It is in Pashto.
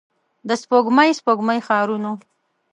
د سپوږمۍ، سپوږمۍ ښارونو